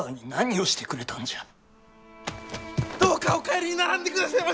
どうかお帰りにならんでくだせまし！